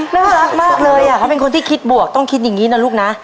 น่ารักมากเลยเขาเป็นคนที่คิดบวกต้องคิดอย่างนี้นะลูกนะ